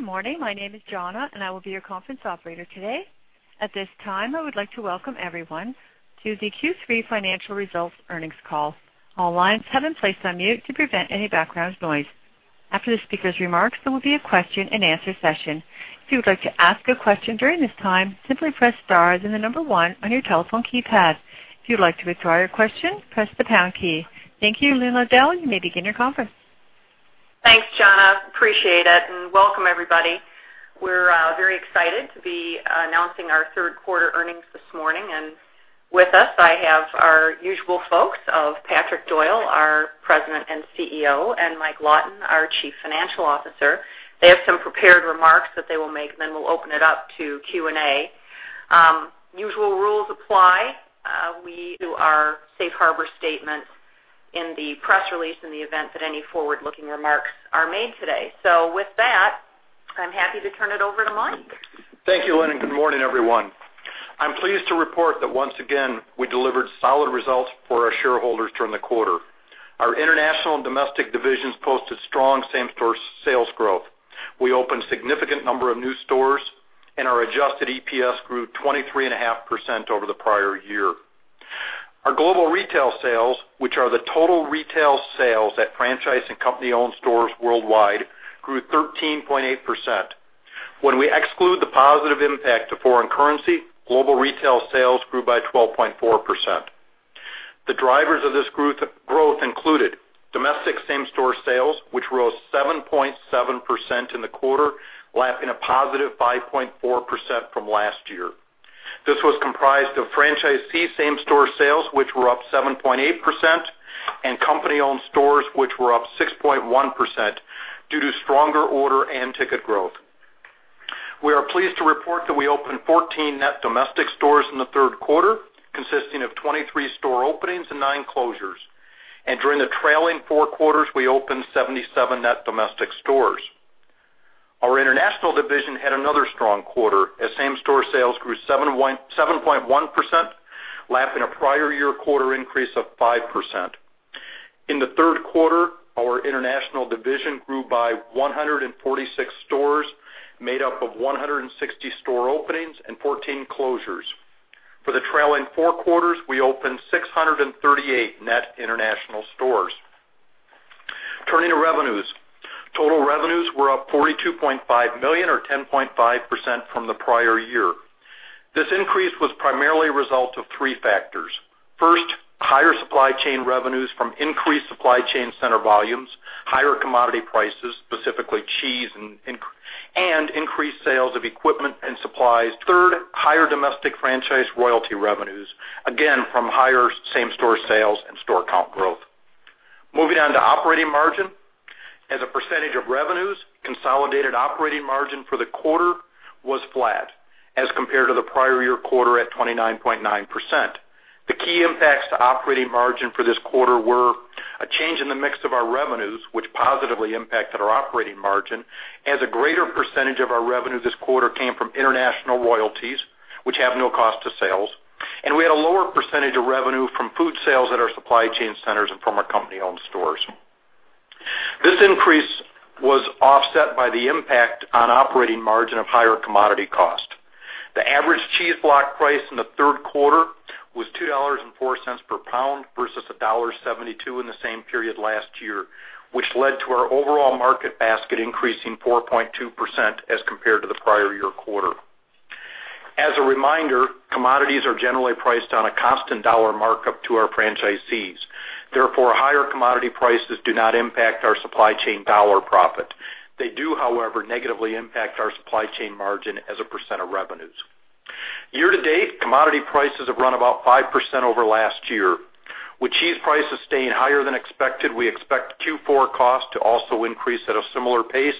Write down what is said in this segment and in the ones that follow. Good morning. My name is Jonna, and I will be your conference operator today. At this time, I would like to welcome everyone to the Q3 Financial Results Earnings Call. All lines have been placed on mute to prevent any background noise. After the speaker's remarks, there will be a question and answer session. If you would like to ask a question during this time, simply press star, then the number one on your telephone keypad. If you'd like to withdraw your question, press the pound key. Thank you. Lynn Liddle, you may begin your conference. Thanks, Jonna. Appreciate it, and welcome everybody. We're very excited to be announcing our third quarter earnings this morning. With us, I have our usual folks of Patrick Doyle, our President and CEO, and Mike Lawton, our Chief Financial Officer. They have some prepared remarks that they will make, then we'll open it up to Q&A. Usual rules apply. We do our safe harbor statement in the press release in the event that any forward-looking remarks are made today. So with that, I'm happy to turn it over to Mike. Thank you, Lynn, and good morning, everyone. I'm pleased to report that once again, we delivered solid results for our shareholders during the quarter. Our international and domestic divisions posted strong same-store sales growth. We opened a significant number of new stores, and our adjusted EPS grew 23.5% over the prior year. Our global retail sales, which are the total retail sales at franchise and company-owned stores worldwide, grew 13.8%. When we exclude the positive impact of foreign currency, global retail sales grew by 12.4%. The drivers of this growth included domestic same-store sales, which rose 7.7% in the quarter, lapping a positive 5.4% from last year. This was comprised of franchisee same-store sales, which were up 7.8%, and company-owned stores, which were up 6.1% due to stronger order and ticket growth. We are pleased to report that we opened 14 net domestic stores in the third quarter, consisting of 23 store openings and nine closures. During the trailing four quarters, we opened 77 net domestic stores. Our international division had another strong quarter as same-store sales grew 7.1%, lapping a prior year quarter increase of 5%. In the third quarter, our international division grew by 146 stores, made up of 160 store openings and 14 closures. For the trailing four quarters, we opened 638 net international stores. Turning to revenues. Total revenues were up $42.5 million or 10.5% from the prior year. This increase was primarily a result of three factors. First, higher supply chain revenues from increased supply chain center volumes, higher commodity prices, specifically cheese, and increased sales of equipment and supplies. Third, higher domestic franchise royalty revenues, again, from higher same-store sales and store count growth. Moving on to operating margin. As a percentage of revenues, consolidated operating margin for the quarter was flat as compared to the prior-year quarter at 29.9%. The key impacts to operating margin for this quarter were a change in the mix of our revenues, which positively impacted our operating margin, as a greater percentage of our revenue this quarter came from international royalties, which have no cost to sales. We had a lower percentage of revenue from food sales at our supply chain centers and from our company-owned stores. This increase was offset by the impact on operating margin of higher commodity costs. The average cheese block price in the third quarter was $2.04 per pound versus $1.72 in the same period last year, which led to our overall market basket increasing 4.2% as compared to the prior-year quarter. As a reminder, commodities are generally priced on a constant dollar markup to our franchisees. Therefore, higher commodity prices do not impact our supply chain dollar profit. They do, however, negatively impact our supply chain margin as a percentage of revenues. Year-to-date, commodity prices have run about 5% over last year. With cheese prices staying higher than expected, we expect Q4 costs to also increase at a similar pace.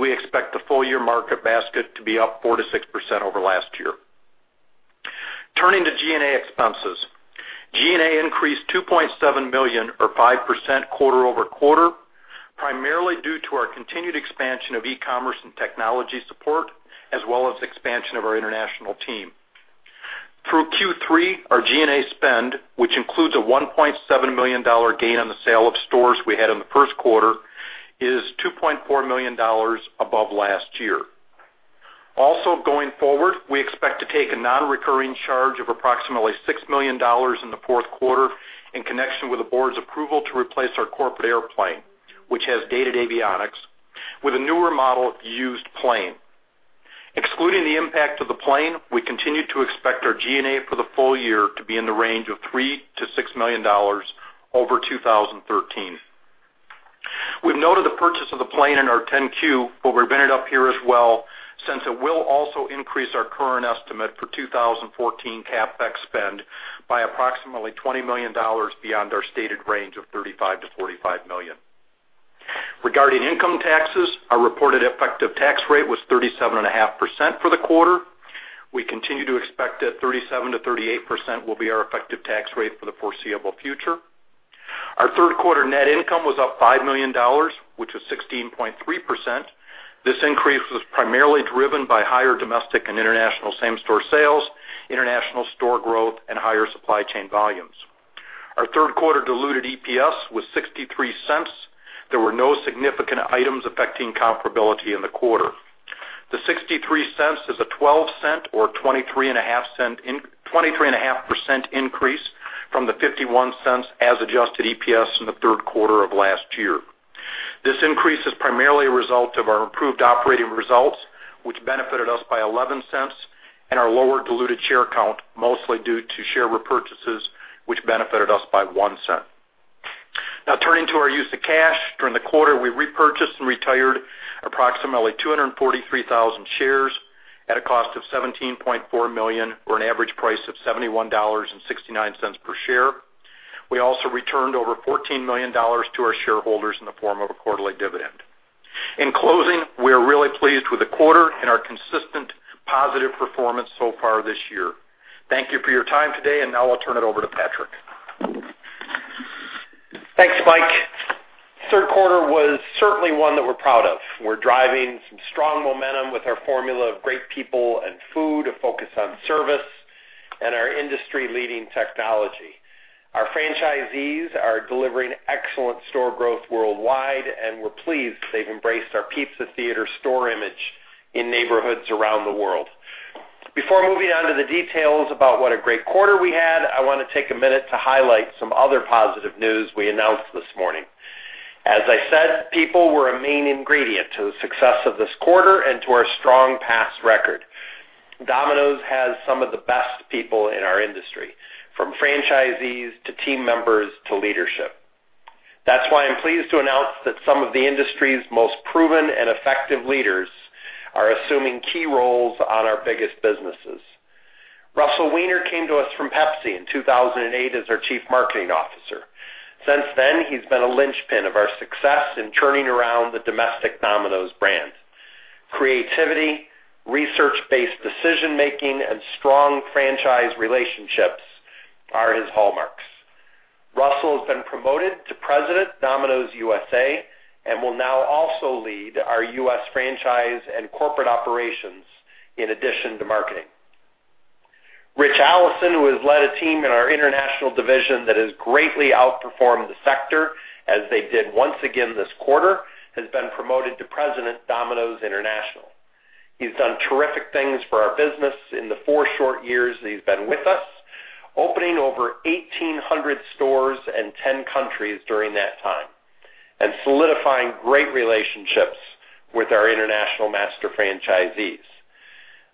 We expect the full year market basket to be up 4%-6% over last year. Turning to G&A expenses. G&A increased $2.7 million or 5% quarter-over-quarter, primarily due to our continued expansion of e-commerce and technology support, as well as expansion of our International team. Through Q3, our G&A spend, which includes a $1.7 million gain on the sale of stores we had in the first quarter, is $2.4 million above last year. Going forward, we expect to take a non-recurring charge of approximately $6 million in the fourth quarter in connection with the board's approval to replace our corporate airplane, which has dated avionics, with a newer model used plane. Excluding the impact of the plane, we continue to expect our G&A for the full year to be in the range of $3 million-$6 million over 2013. We've noted the purchase of the plane in our 10-Q, but we've brought it up here as well since it will also increase our current estimate for 2014 CapEx spend by approximately $20 million beyond our stated range of $35 million-$45 million. Regarding income taxes, our reported effective tax rate was 37.5% for the quarter. We continue to expect that 37%-38% will be our effective tax rate for the foreseeable future. Our third quarter net income was up $5 million, which was 16.3%. This increase was primarily driven by higher domestic and International same-store sales, International store growth, and higher supply chain volumes. Our third quarter diluted EPS was $0.63. There were no significant items affecting comparability in the quarter. The $0.63 is a $0.12 or 23.5% increase from the $0.51 as adjusted EPS in the third quarter of last year. This increase is primarily a result of our improved operating results, which benefited us by $0.11, and our lower diluted share count, mostly due to share repurchases, which benefited us by $0.01. Turning to our use of cash. During the quarter, we repurchased and retired approximately 243,000 shares at a cost of $17.4 million, or an average price of $71.69 per share. We also returned over $14 million to our shareholders in the form of a quarterly dividend. In closing, we are really pleased with the quarter and our consistent positive performance so far this year. Thank you for your time today, and now I'll turn it over to Patrick. Thanks, Mike. Third quarter was certainly one that we're proud of. We're driving some strong momentum with our formula of great people and food, a focus on service, and our industry-leading technology. Our franchisees are delivering excellent store growth worldwide, and we're pleased they've embraced our Pizza Theater store image in neighborhoods around the world. Before moving on to the details about what a great quarter we had, I want to take a minute to highlight some other positive news we announced this morning. As I said, people were a main ingredient to the success of this quarter and to our strong past record. Domino's has some of the best people in our industry, from franchisees to team members to leadership. That's why I'm pleased to announce that some of the industry's most proven and effective leaders are assuming key roles on our biggest businesses. Russell Weiner came to us from Pepsi in 2008 as our chief marketing officer. Since then, he's been a linchpin of our success in turning around the domestic Domino's brand. Creativity, research-based decision making, and strong franchise relationships are his hallmarks. Russell has been promoted to President, Domino's U.S.A., and will now also lead our U.S. franchise and corporate operations in addition to marketing. Rich Allison, who has led a team in our international division that has greatly outperformed the sector, as they did once again this quarter, has been promoted to President, Domino's International. He's done terrific things for our business in the four short years that he's been with us, opening over 1,800 stores in 10 countries during that time, and solidifying great relationships with our international master franchisees.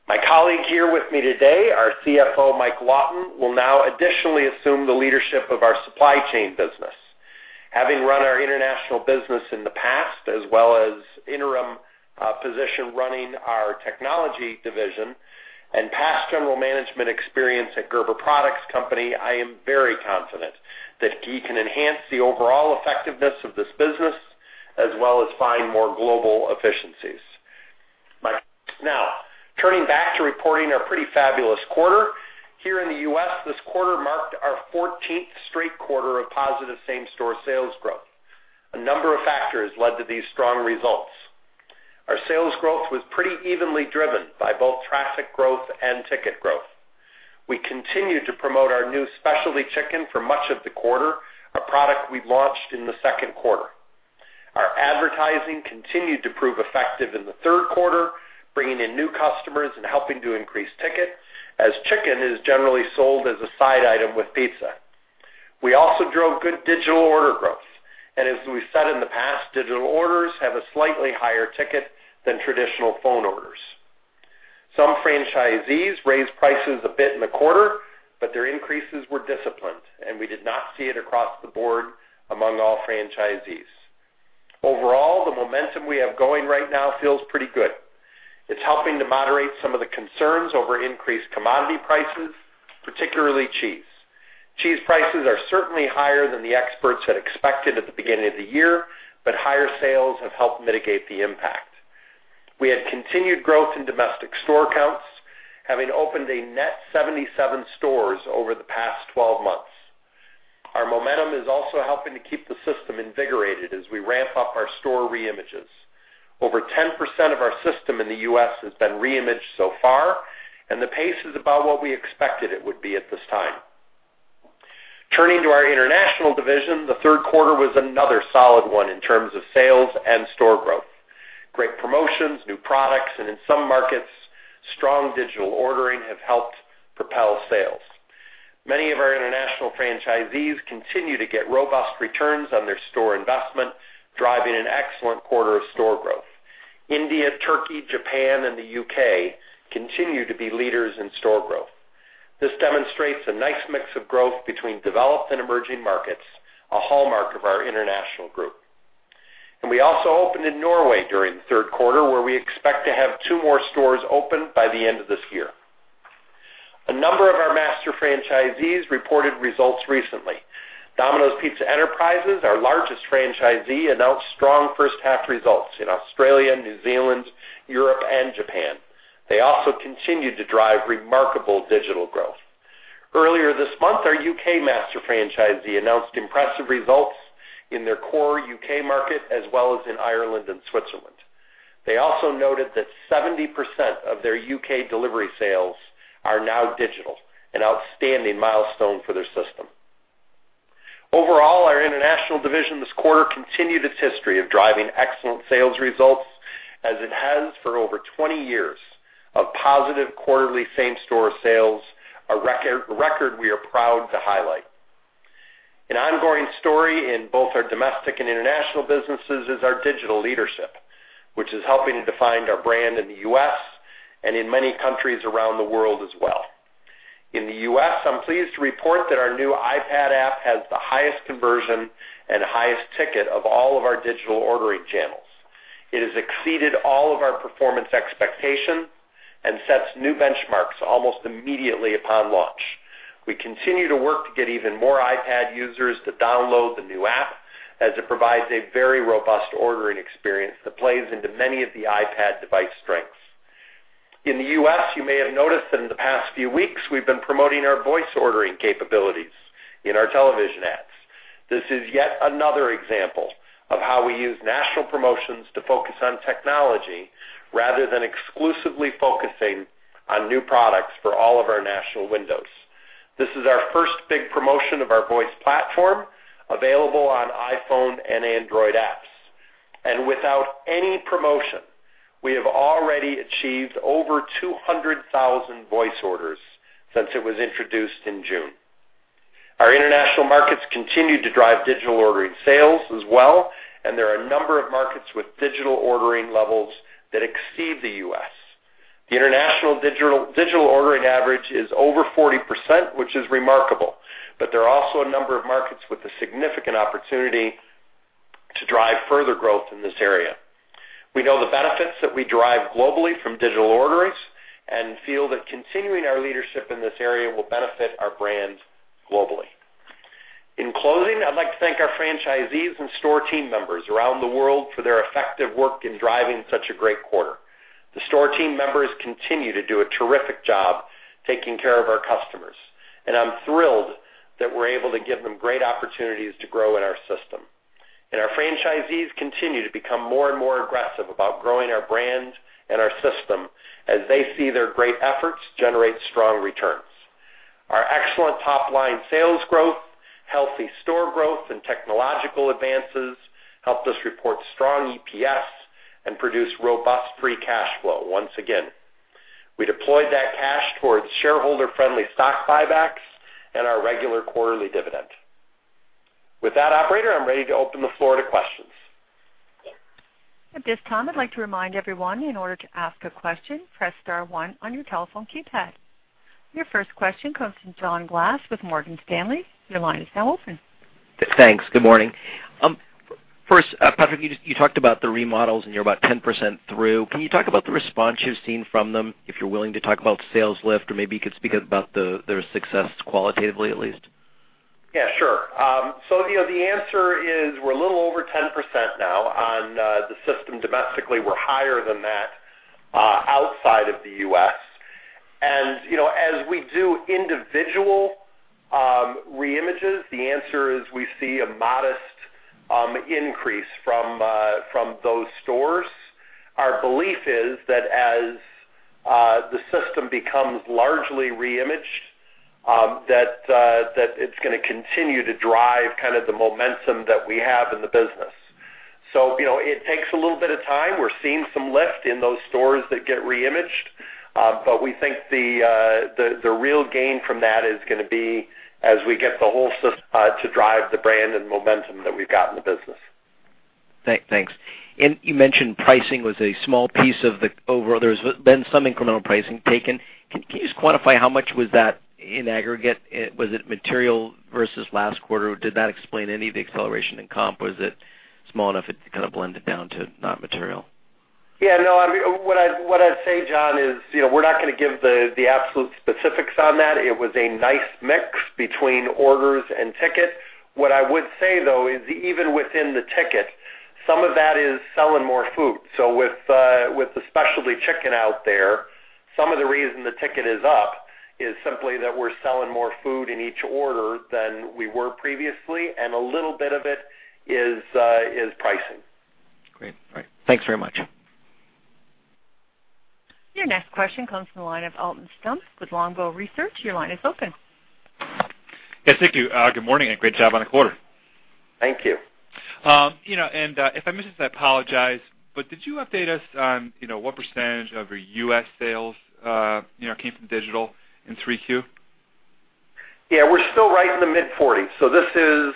My colleague here with me today, our CFO, Mike Lawton, will now additionally assume the leadership of our supply chain business. Having run our international business in the past, as well as interim position running our technology division, and past general management experience at Gerber Products Company, I am very confident that he can enhance the overall effectiveness of this business, as well as find more global efficiencies. Turning back to reporting our pretty fabulous quarter. Here in the U.S., this quarter marked our 14th straight quarter of positive same-store sales growth. A number of factors led to these strong results. Our sales growth was pretty evenly driven by both traffic growth and ticket growth. We continued to promote our new Specialty Chicken for much of the quarter, a product we launched in the second quarter. Our advertising continued to prove effective in the third quarter, bringing in new customers and helping to increase ticket, as chicken is generally sold as a side item with pizza. We also drove good digital order growth. As we've said in the past, digital orders have a slightly higher ticket than traditional phone orders. Some franchisees raised prices a bit in the quarter, but their increases were disciplined, and we did not see it across the board among all franchisees. Overall, the momentum we have going right now feels pretty good. It's helping to moderate some of the concerns over increased commodity prices, particularly cheese. Cheese prices are certainly higher than the experts had expected at the beginning of the year, but higher sales have helped mitigate the impact. We had continued growth in domestic store counts, having opened a net 77 stores over the past 12 months. Our momentum is also helping to keep the system invigorated as we ramp up our store re-images. Over 10% of our system in the U.S. has been re-imaged so far, and the pace is about what we expected it would be at this time. Turning to our international division, the third quarter was another solid one in terms of sales and store growth. Great promotions, new products, and in some markets, strong digital ordering have helped propel sales. Many of our international franchisees continue to get robust returns on their store investment, driving an excellent quarter of store growth. India, Turkey, Japan, and the U.K. continue to be leaders in store growth. This demonstrates a nice mix of growth between developed and emerging markets, a hallmark of our international group. We also opened in Norway during the third quarter, where we expect to have two more stores open by the end of this year. A number of our master franchisees reported results recently. Domino's Pizza Enterprises, our largest franchisee, announced strong first half results in Australia, New Zealand, Europe, and Japan. They also continued to drive remarkable digital growth. Earlier this month, our U.K. master franchisee announced impressive results in their core U.K. market, as well as in Ireland and Switzerland. They also noted that 70% of their U.K. delivery sales are now digital, an outstanding milestone for their system. Overall, our international division this quarter continued its history of driving excellent sales results as it has for over 20 years of positive quarterly same-store sales, a record we are proud to highlight. An ongoing story in both our domestic and international businesses is our digital leadership, which is helping to define our brand in the U.S. and in many countries around the world as well. In the U.S., I'm pleased to report that our new iPad app has the highest conversion and highest ticket of all of our digital ordering channels. It has exceeded all of our performance expectations and sets new benchmarks almost immediately upon launch. We continue to work to get even more iPad users to download the new app as it provides a very robust ordering experience that plays into many of the iPad device strengths. In the U.S., you may have noticed that in the past few weeks, we've been promoting our voice ordering capabilities in our television ads. This is yet another example of how we use national promotions to focus on technology rather than exclusively focusing on new products for all of our national windows. This is our first big promotion of our voice platform, available on iPhone and Android apps. Without any promotion, we have already achieved over 200,000 voice orders since it was introduced in June. Our international markets continue to drive digital ordering sales as well. There are a number of markets with digital ordering levels that exceed the U.S. The international digital ordering average is over 40%, which is remarkable. There are also a number of markets with a significant opportunity to drive further growth in this area. We know the benefits that we derive globally from digital orderings and feel that continuing our leadership in this area will benefit our brands globally. In closing, I'd like to thank our franchisees and store team members around the world for their effective work in driving such a great quarter. The store team members continue to do a terrific job taking care of our customers, and I'm thrilled that we're able to give them great opportunities to grow in our system. Our franchisees continue to become more and more aggressive about growing our brand and our system as they see their great efforts generate strong returns. Our excellent top-line sales growth, healthy store growth, and technological advances helped us report strong EPS and produce robust free cash flow once again. We deployed that cash towards shareholder-friendly stock buybacks and our regular quarterly dividend. With that, operator, I'm ready to open the floor to questions. At this time, I'd like to remind everyone, in order to ask a question, press star one on your telephone keypad. Your first question comes from John Glass with Morgan Stanley. Your line is now open. Thanks. Good morning. First, Patrick, you talked about the remodels, and you're about 10% through. Can you talk about the response you've seen from them? If you're willing to talk about sales lift, or maybe you could speak about their success qualitatively, at least. The answer is we're a little over 10% now on the system domestically. We're higher than that outside of the U.S. As we do individual re-images, the answer is we see a modest increase from those stores. Our belief is that as the system becomes largely re-imaged, that it's going to continue to drive the momentum that we have in the business. It takes a little bit of time. We're seeing some lift in those stores that get re-imaged, but we think the real gain from that is going to be as we get the whole system to drive the brand and momentum that we've got in the business. Thanks. You mentioned pricing was a small piece. There's been some incremental pricing taken. Can you just quantify how much was that in aggregate? Was it material versus last quarter, or did that explain any of the acceleration in comp? Was it small enough it kind of blended down to not material? What I'd say, John, is we're not going to give the absolute specifics on that. It was a nice mix between orders and ticket. What I would say, though, is even within the ticket, some of that is selling more food. With the Specialty Chicken out there, some of the reason the ticket is up is simply that we're selling more food in each order than we were previously, and a little bit of it is pricing. Great. All right. Thanks very much. Your next question comes from the line of Alton Stump with Longbow Research. Your line is open. Yes, thank you. Good morning, great job on the quarter. Thank you. If I missed this, I apologize, but did you update us on what % of your U.S. sales came from digital in Q3? Yeah, we're still right in the mid-40s. This is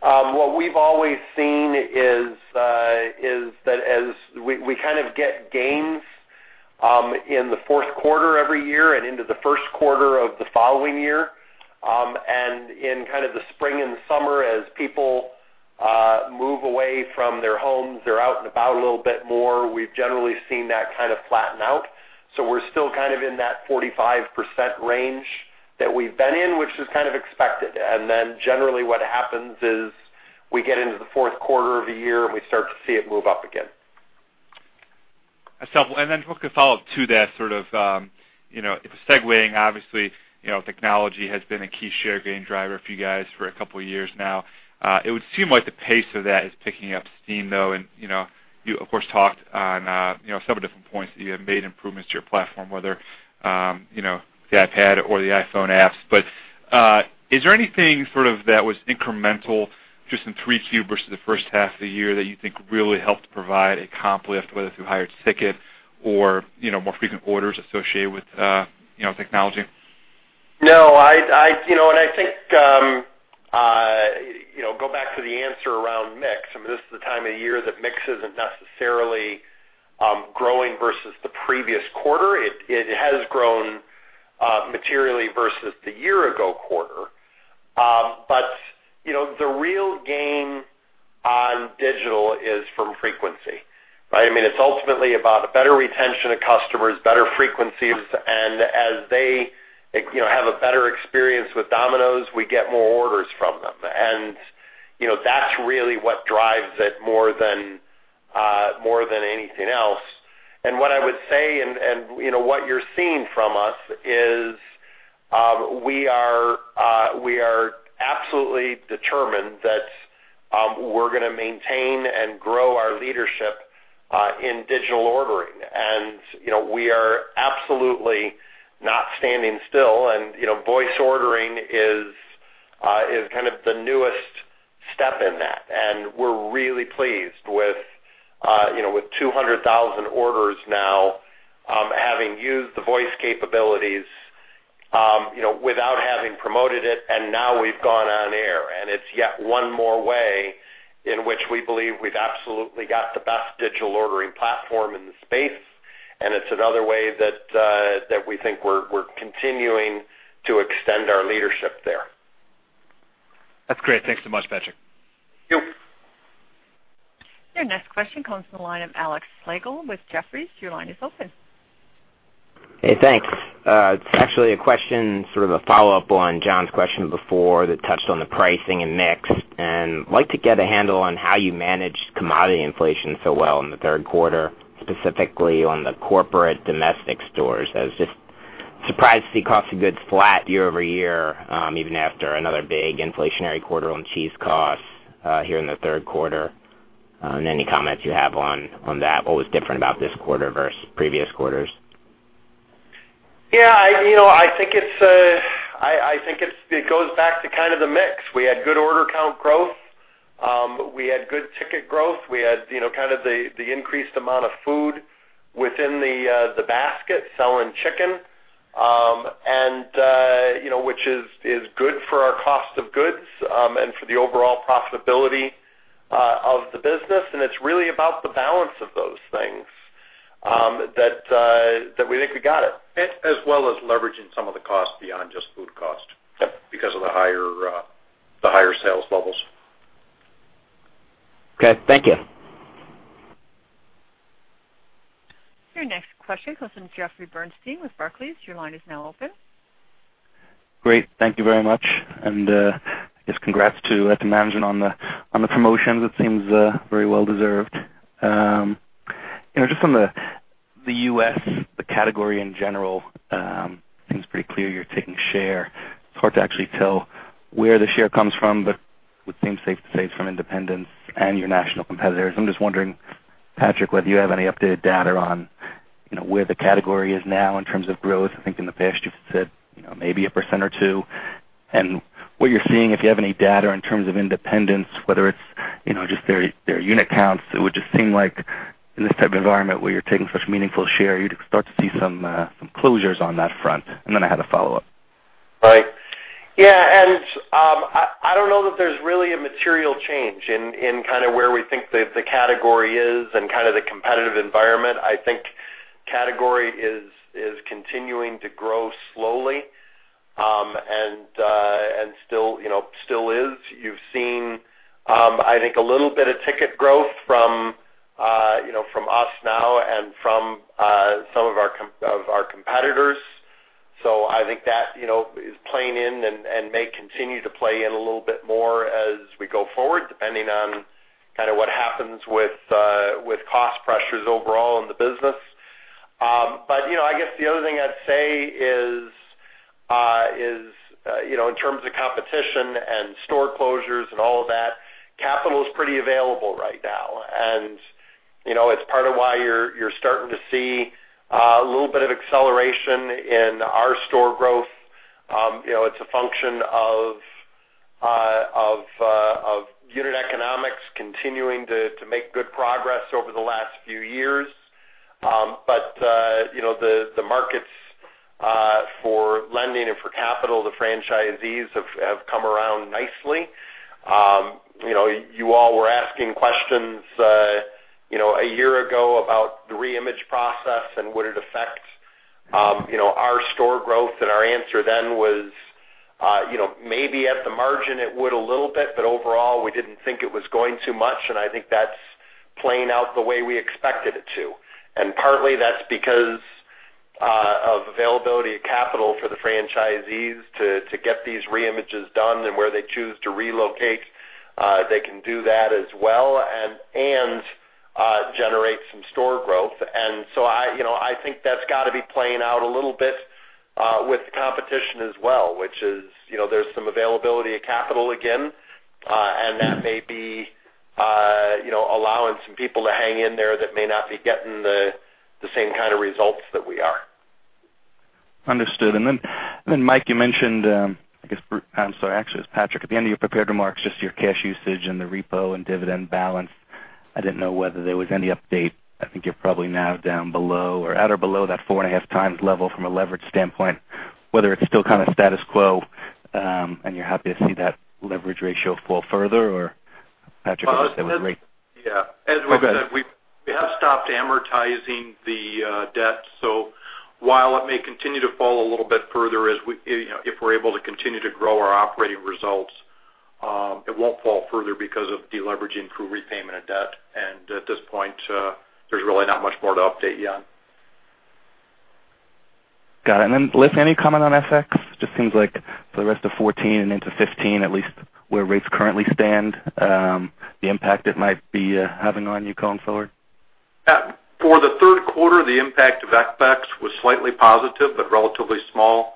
what we've always seen is that as we kind of get gains in the fourth quarter every year and into the first quarter of the following year. In kind of the spring and summer, as people move away from their homes, they're out and about a little bit more, we've generally seen that kind of flatten out. We're still kind of in that 45% range that we've been in, which is kind of expected. Generally what happens is we get into the fourth quarter of the year, and we start to see it move up again. A quick follow-up to that. Segueing, obviously, technology has been a key share gain driver for you guys for a couple of years now. It would seem like the pace of that is picking up steam, though, and you, of course, talked on several different points that you have made improvements to your platform, whether the iPad or the iPhone apps. Is there anything that was incremental just in 3Q versus the first half of the year that you think really helped provide a comp lift, whether through higher ticket or more frequent orders associated with technology? No. I think, go back to the answer around mix. This is the time of year that mix isn't necessarily growing versus the previous quarter. It has grown materially versus the year-ago quarter. The real gain on digital is from frequency, right? It's ultimately about better retention of customers, better frequencies, and as they have a better experience with Domino's, we get more orders from them. That's really what drives it more than anything else. What I would say, and what you're seeing from us is we are absolutely determined that we're going to maintain and grow our leadership in digital ordering. We are absolutely not standing still, and voice ordering is kind of the newest step in that. We're really pleased with 200,000 orders now having used the voice capabilities without having promoted it, and now we've gone on air, and it's yet one more way in which we believe we've absolutely got the best digital ordering platform in the space, and it's another way that we think we're continuing to extend our leadership there. That's great. Thanks so much, Patrick. Thank you. Your next question comes from the line of Alexander Slagle with Jefferies. Your line is open. Hey, thanks. It's actually a question, sort of a follow-up on John's question before that touched on the pricing and mix. Like to get a handle on how you managed commodity inflation so well in the third quarter, specifically on the corporate domestic stores. I was just surprised to see cost of goods flat year-over-year, even after another big inflationary quarter on cheese costs here in the third quarter. Any comments you have on that? What was different about this quarter versus previous quarters? I think it goes back to kind of the mix. We had good order count growth. We had good ticket growth. We had the increased amount of food within the basket, selling chicken, which is good for our cost of goods and for the overall profitability of the business. It's really about the balance of those things that we think we got it. As well as leveraging some of the costs beyond just food cost- Yep because of the higher sales levels. Okay. Thank you. Your next question comes from Jeffrey Bernstein with Barclays. Your line is now open. Great. Thank you very much. I guess congrats to the management on the promotions. It seems very well-deserved. Just on the U.S., the category in general, seems pretty clear you're taking share. It's hard to actually tell where the share comes from, but it would seem safe to say it's from independents and your national competitors. I'm just wondering, Patrick, whether you have any updated data on where the category is now in terms of growth. I think in the past you've said maybe a percent or two. What you're seeing, if you have any data in terms of independents, whether it's just their unit counts. It would just seem like in this type of environment where you're taking such meaningful share, you'd start to see some closures on that front. Then I had a follow-up. Right. Yeah, I don't know that there's really a material change in where we think the category is and the competitive environment. I think category is continuing to grow slowly and still is. You've seen, I think, a little bit of ticket growth from us now and from some of our competitors. I think that is playing in and may continue to play in a little bit more as we go forward, depending on what happens with cost pressures overall in the business. I guess the other thing I'd say is in terms of competition and store closures and all of that, capital is pretty available right now, and it's part of why you're starting to see a little bit of acceleration in our store growth. It's a function of unit economics continuing to make good progress over the last few years. The markets for lending and for capital to franchisees have come around nicely. You all were asking questions a year ago about the reimage process and would it affect our store growth, and our answer then was maybe at the margin it would a little bit, overall, we didn't think it was going too much, I think that's playing out the way we expected it to. Partly that's because of availability of capital for the franchisees to get these reimages done, where they choose to relocate, they can do that as well and generate some store growth. I think that's got to be playing out a little bit with the competition as well, which is, there's some availability of capital again, and that may be allowing some people to hang in there that may not be getting the same kind of results that we are. Understood. Mike, you mentioned, I'm sorry, actually, it's Patrick, at the end of your prepared remarks, just your cash usage and the repo and dividend balance. I didn't know whether there was any update. I think you're probably now down below or at or below that 4.5 times level from a leverage standpoint, whether it's still kind of status quo, and you're happy to see that leverage ratio fall further, or Patrick Yeah. Go ahead. As we said, we have stopped amortizing the debt. So while it may continue to fall a little bit further, if we're able to continue to grow our operating results, it won't fall further because of deleveraging through repayment of debt. At this point, there's really not much more to update you on. Got it. Then, Liz, any comment on FX? Just seems like for the rest of 2014 and into 2015, at least where rates currently stand, the impact it might be having on you going forward. For the third quarter, the impact of FX was slightly positive but relatively small.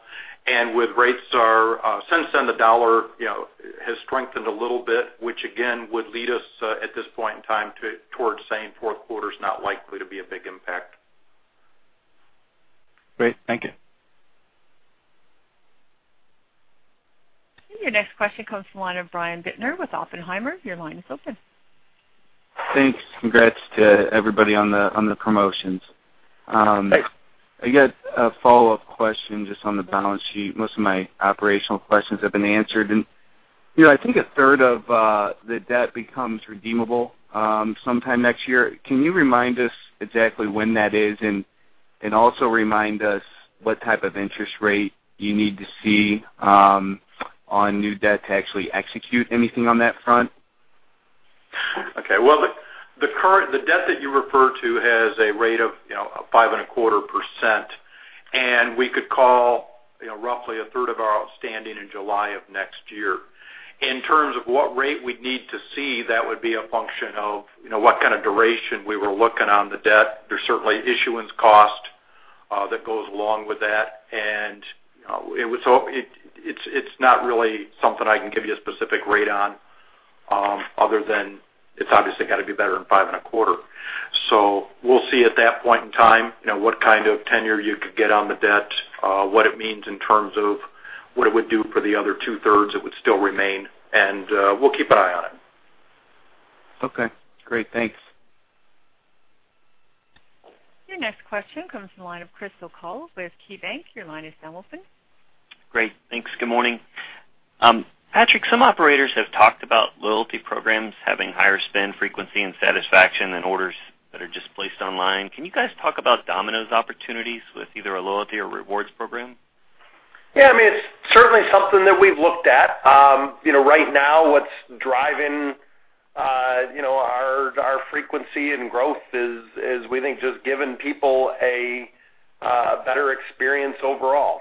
Since then, the dollar has strengthened a little bit, which again, would lead us at this point in time towards saying fourth quarter is not likely to be a big impact. Great. Thank you. Your next question comes from the line of Brian Bittner with Oppenheimer. Your line is open. Thanks. Congrats to everybody on the promotions. Thanks. I got a follow-up question just on the balance sheet. Most of my operational questions have been answered, I think a third of the debt becomes redeemable sometime next year. Can you remind us exactly when that is? Also remind us what type of interest rate you need to see on new debt to actually execute anything on that front? Okay. Well, the debt that you refer to has a rate of 5.25%, and we could call roughly a third of our outstanding in July of next year. In terms of what rate we'd need to see, that would be a function of what kind of duration we were looking on the debt. There's certainly issuance cost that goes along with that, it's not really something I can give you a specific rate on other than it's obviously got to be better than 5.25. We'll see at that point in time what kind of tenure you could get on the debt, what it means in terms of what it would do for the other two-thirds that would still remain, we'll keep an eye on it. Okay. Great. Thanks. Your next question comes from the line of Chris O'Cull with KeyBanc. Your line is now open. Great. Thanks. Good morning. Patrick, some operators have talked about loyalty programs having higher spend frequency and satisfaction than orders that are just placed online. Can you guys talk about Domino's opportunities with either a loyalty or rewards program? Yeah, it's certainly something that we've looked at. Right now what's driving our frequency and growth is, we think just giving people a better experience overall.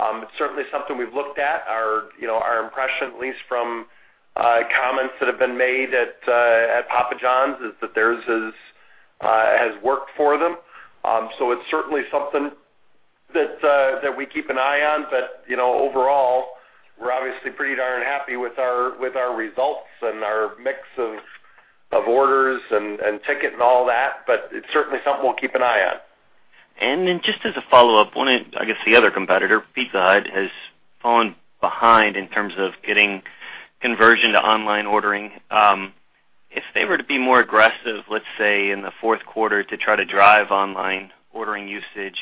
It's certainly something we've looked at. Our impression, at least from comments that have been made at Papa John's, is that theirs has worked for them. It's certainly something that we keep an eye on. Overall, we're obviously pretty darn happy with our results and our mix of orders and ticket and all that. It's certainly something we'll keep an eye on. Just as a follow-up, one, I guess the other competitor, Pizza Hut, has fallen behind in terms of getting conversion to online ordering. If they were to be more aggressive, let's say, in the fourth quarter to try to drive online ordering usage,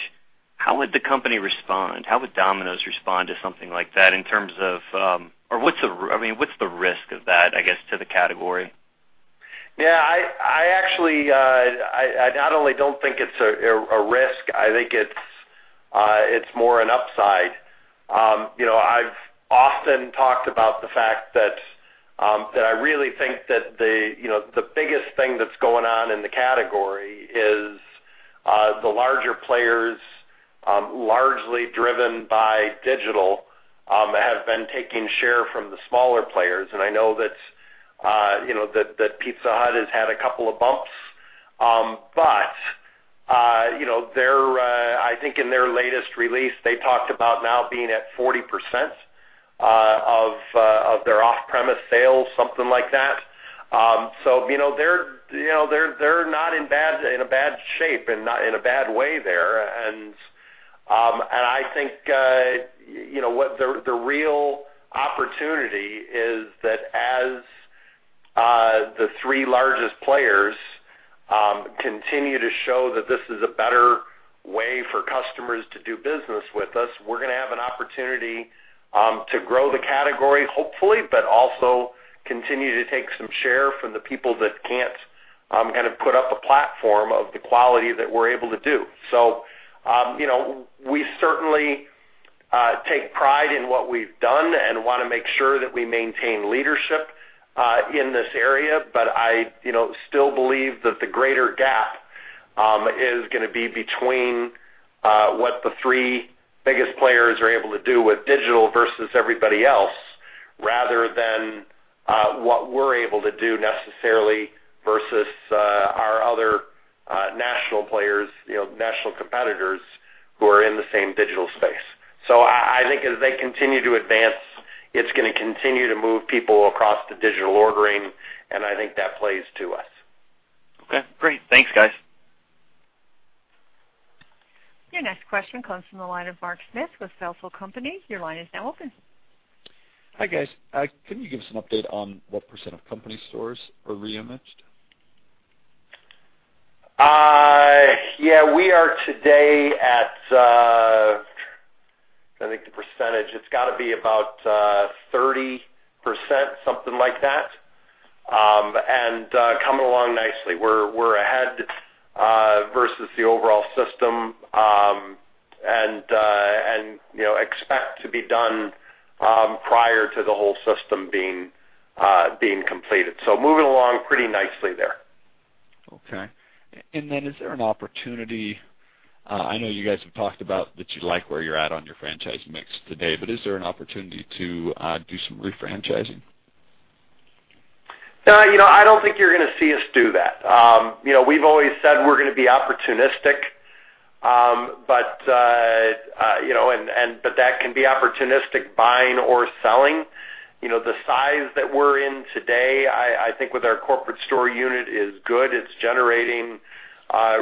how would the company respond? How would Domino's respond to something like that? What's the risk of that, I guess, to the category? I actually, I not only don't think it's a risk, I think it's more an upside. I've often talked about the fact that I really think that the biggest thing that's going on in the category is the larger players, largely driven by digital, have been taking share from the smaller players. I know that Pizza Hut has had a couple of bumps. I think in their latest release, they talked about now being at 40% of their off-premise sales, something like that. They're not in a bad shape and not in a bad way there. I think the real opportunity is that as the three largest players continue to show that this is a better way for customers to do business with us, we're going to have an opportunity to grow the category, hopefully, but also continue to take some share from the people that can't put up a platform of the quality that we're able to do. We certainly Take pride in what we've done and want to make sure that we maintain leadership in this area. I still believe that the greater gap is going to be between what the three biggest players are able to do with digital versus everybody else, rather than what we're able to do necessarily versus our other national players, national competitors who are in the same digital space. I think as they continue to advance, it's going to continue to move people across to digital ordering, and I think that plays to us. Okay, great. Thanks, guys. Your next question comes from the line of Mark Smith with Feltl Company. Your line is now open. Hi guys. Can you give us an update on what % of company stores are re-imaged? Yeah. We are today at, I think the percentage, it's got to be about 30%, something like that. Coming along nicely. We're ahead versus the overall system, and expect to be done prior to the whole system being completed. Moving along pretty nicely there. Okay. Is there an opportunity-- I know you guys have talked about that you like where you're at on your franchise mix today, is there an opportunity to do some re-franchising? No, I don't think you're going to see us do that. We've always said we're going to be opportunistic, but that can be opportunistic buying or selling. The size that we're in today, I think with our corporate store unit is good. It's generating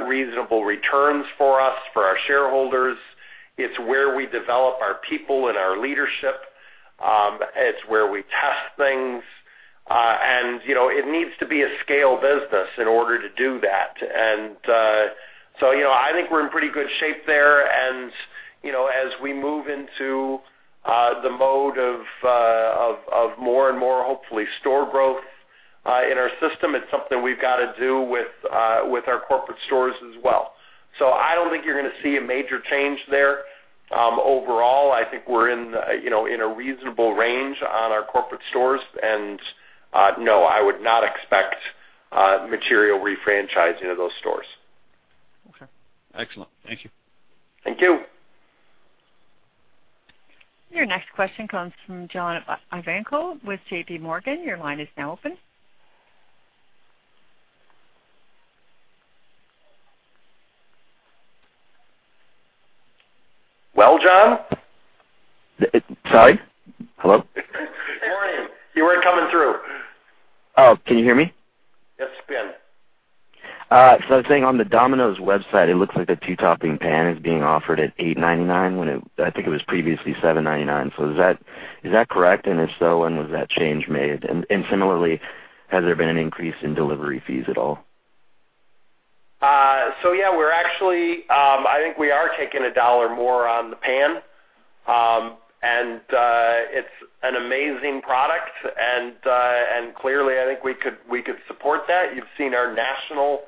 reasonable returns for us, for our shareholders. It's where we develop our people and our leadership. It's where we test things. It needs to be a scale business in order to do that. I think we're in pretty good shape there and as we move into the mode of more and more, hopefully store growth in our system, it's something we've got to do with our corporate stores as well. I don't think you're going to see a major change there. Overall, I think we're in a reasonable range on our corporate stores, and no, I would not expect material re-franchising of those stores. Okay. Excellent. Thank you. Thank you. Your next question comes from John Ivankoe with JPMorgan. Your line is now open. Well, John? Sorry. Hello? Good morning. You weren't coming through. Oh, can you hear me? Yes, you can. I was saying on the Domino's website, it looks like the two-topping pan is being offered at $8.99 when I think it was previously $7.99. Is that correct? If so, when was that change made? Similarly, has there been an increase in delivery fees at all? Yeah, I think we are taking a dollar more on the pan. It's an amazing product, and clearly, I think we could support that. You've seen our national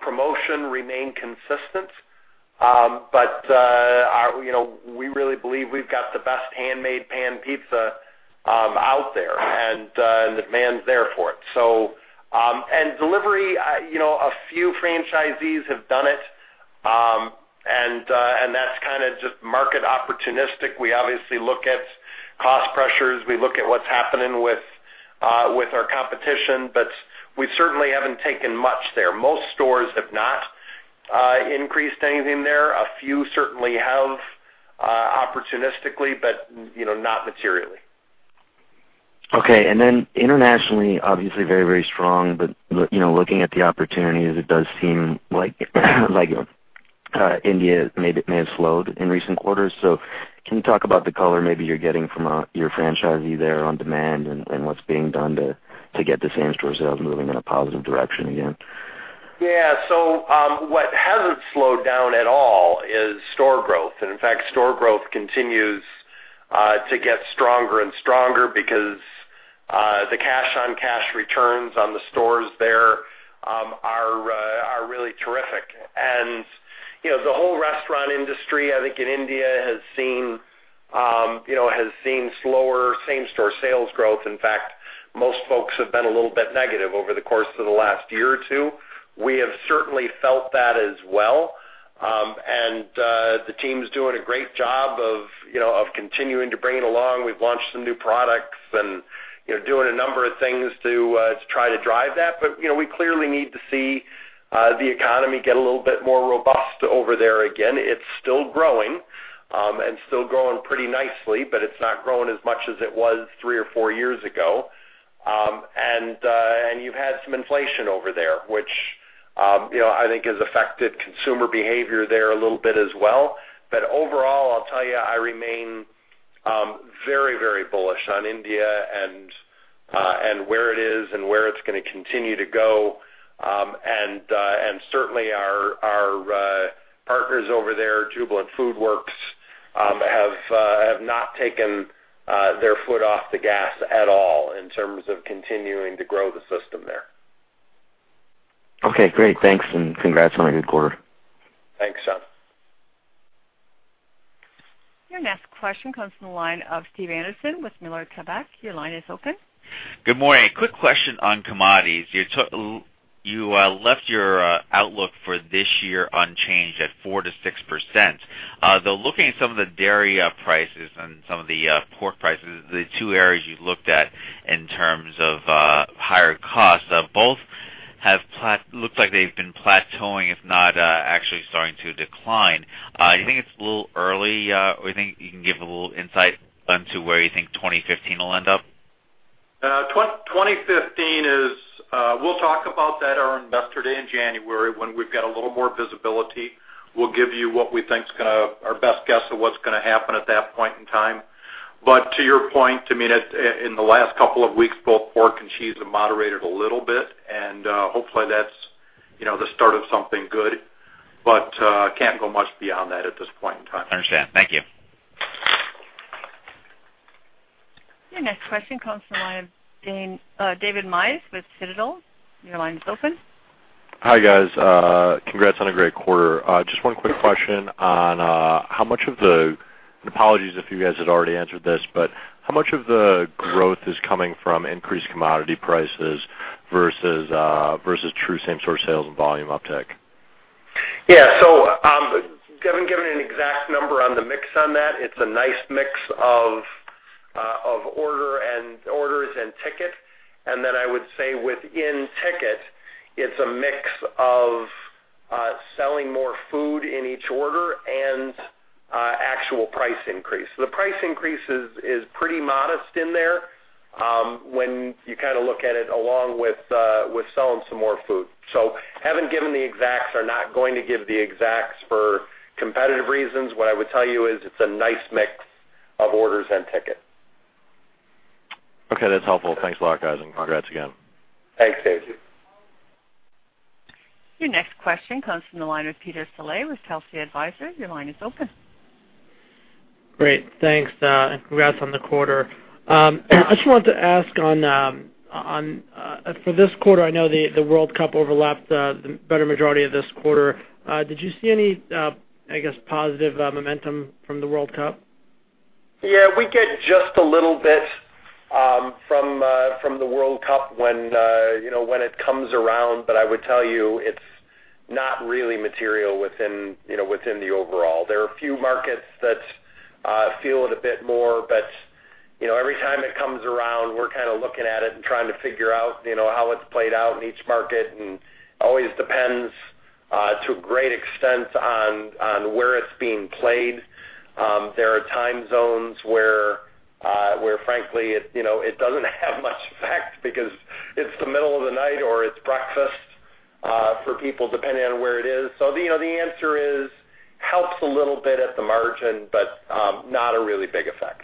promotion remain consistent. We really believe we've got the best Handmade Pan Pizza out there, and the demand is there for it. Delivery, a few franchisees have done it. That's kind of just market opportunistic. We obviously look at cost pressures. We look at what's happening with our competition, but we certainly haven't taken much there. Most stores have not increased anything there. A few certainly have opportunistically, but not materially. Internationally, obviously very, very strong. Looking at the opportunities, it does seem like India may have slowed in recent quarters. Can you talk about the color maybe you're getting from your franchisee there on demand and what's being done to get the same-store sales moving in a positive direction again? What hasn't slowed down at all is store growth. In fact, store growth continues to get stronger and stronger because the cash on cash returns on the stores there are really terrific. The whole restaurant industry, I think in India has seen slower same-store sales growth. In fact, most folks have been a little bit negative over the course of the last year or two. We have certainly felt that as well. The team's doing a great job of continuing to bring it along. We've launched some new products and doing a number of things to try to drive that. We clearly need to see the economy get a little bit more robust over there again. It's still growing and still growing pretty nicely, but it's not growing as much as it was three or four years ago. You've had some inflation over there, which I think has affected consumer behavior there a little bit as well. Overall, I'll tell you, I remain very bullish on India and where it is and where it's going to continue to go. Certainly our partners over there, Jubilant FoodWorks, have not taken their foot off the gas at all in terms of continuing to grow the system there. Great. Thanks, and congrats on a good quarter. Thanks, John. Your next question comes from the line of Steve Anderson with Miller Tabak. Your line is open. Good morning. Quick question on commodities. You left your outlook for this year unchanged at 4%-6%. Looking at some of the dairy prices and some of the pork prices, the two areas you looked at in terms of higher costs, both look like they've been plateauing, if not actually starting to decline. Do you think it's a little early? Do you think you can give a little insight into where you think 2015 will end up? 2015, we'll talk about that on our Investor Day in January when we've got a little more visibility. We'll give you what we think is our best guess of what's going to happen at that point in time. To your point, in the last couple of weeks, both pork and cheese have moderated a little bit, and hopefully that's the start of something good. Can't go much beyond that at this point in time. Understand. Thank you. Your next question comes from the line of David Meis with Citadel. Your line is open. Hi, guys. Congrats on a great quarter. Just one quick question. Apologies if you guys had already answered this, but how much of the growth is coming from increased commodity prices versus true same-store sales and volume uptick? I haven't given an exact number on the mix on that. It's a nice mix of orders and ticket. Then I would say within ticket, it's a mix of selling more food in each order and actual price increase. The price increase is pretty modest in there when you look at it along with selling some more food. Haven't given the exacts, are not going to give the exacts for competitive reasons. What I would tell you is it's a nice mix of orders and ticket. Okay, that's helpful. Thanks a lot, guys, and congrats again. Thanks, David. Your next question comes from the line of Peter Saleh with Telsey Advisory Group. Your line is open. Great. Thanks. Congrats on the quarter. I just wanted to ask, for this quarter, I know the World Cup overlapped the better majority of this quarter. Did you see any, I guess, positive momentum from the World Cup? Yeah, we get just a little bit from the World Cup when it comes around. I would tell you it's not really material within the overall. There are a few markets that feel it a bit more. Every time it comes around, we're kind of looking at it and trying to figure out how it's played out in each market, and always depends to a great extent on where it's being played. There are time zones where frankly, it doesn't have much effect because it's the middle of the night or it's breakfast for people, depending on where it is. The answer is, helps a little bit at the margin, but not a really big effect.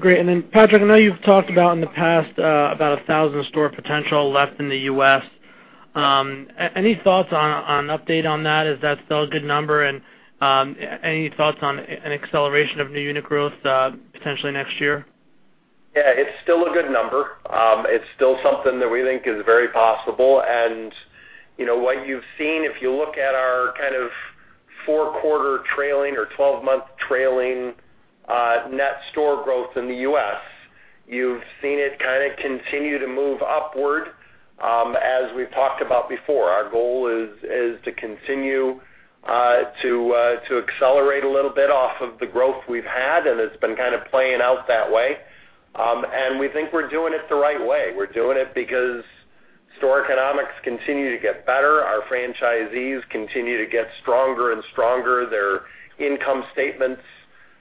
Great. Then Patrick, I know you've talked about in the past about 1,000 store potential left in the U.S. Any thoughts on an update on that? Is that still a good number? Any thoughts on an acceleration of new unit growth potentially next year? Yeah, it's still a good number. It's still something that we think is very possible. What you've seen, if you look at our four quarter trailing or 12-month trailing net store growth in the U.S., you've seen it kind of continue to move upward. As we've talked about before, our goal is to continue to accelerate a little bit off of the growth we've had. It's been kind of playing out that way. We think we're doing it the right way. We're doing it because store economics continue to get better. Our franchisees continue to get stronger and stronger. Their income statements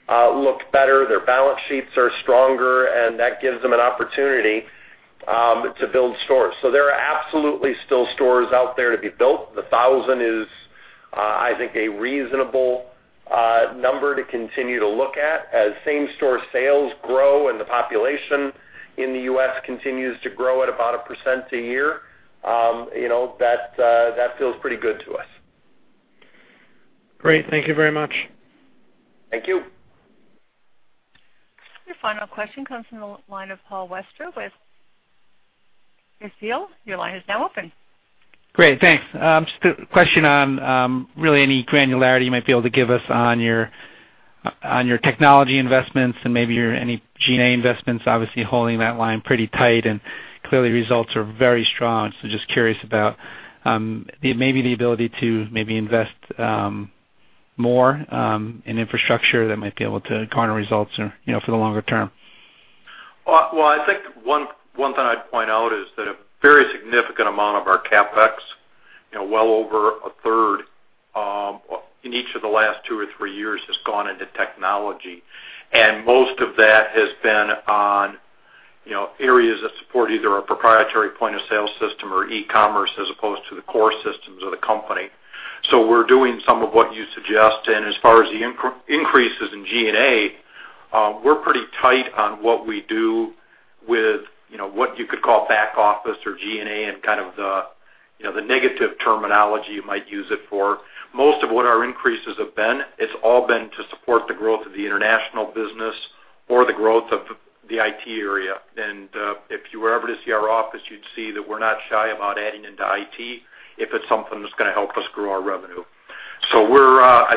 look better, their balance sheets are stronger, and that gives them an opportunity to build stores. There are absolutely still stores out there to be built. The 1,000 is, I think, a reasonable number to continue to look at. As same-store sales grow and the population in the U.S. continues to grow at about a 1% a year, that feels pretty good to us. Great. Thank you very much. Thank you. Your final question comes from the line of Paul Westra with Stifel. Your line is now open. Great, thanks. Just a question on really any granularity you might be able to give us on your technology investments and maybe any G&A investments, obviously holding that line pretty tight and clearly results are very strong. Just curious about maybe the ability to maybe invest more in infrastructure that might be able to garner results for the longer term. Well, I think one thing I'd point out is that a very significant amount of our CapEx, well over a third in each of the last two or three years, has gone into technology, and most of that has been on areas that support either our proprietary point-of-sale system or e-commerce as opposed to the core systems of the company. We're doing some of what you suggest. As far as the increases in G&A, we're pretty tight on what we do with what you could call back office or G&A and kind of the negative terminology you might use it for. Most of what our increases have been, it's all been to support the growth of the international business or the growth of the IT area. If you were ever to see our office, you'd see that we're not shy about adding into IT if it's something that's going to help us grow our revenue. I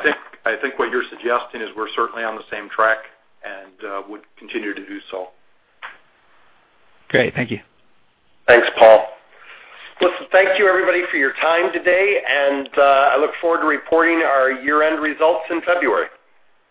think what you're suggesting is we're certainly on the same track and would continue to do so. Great. Thank you. Thanks, Paul. Listen, thank you, everybody, for your time today, and I look forward to reporting our year-end results in February.